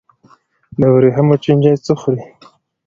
د ورېښمو چینجی څه خوري؟